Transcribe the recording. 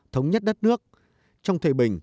thống nhất đất nước trong thời bình